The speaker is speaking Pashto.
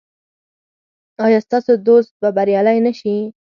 ایا ستاسو دوست به بریالی نه شي؟